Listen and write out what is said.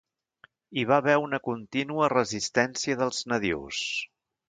Hi va haver una contínua resistència dels nadius.